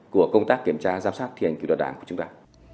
của công tác kiểm tra giám sát thi hành cựu đoàn đảng của chúng ta